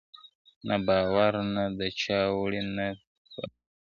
نه بارونه د چا وړې نه به نوکر یې ,